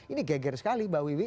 ini geger sekali mbak wiwi